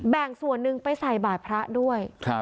แบ่งส่วนหนึ่งไปใส่บาทพระด้วย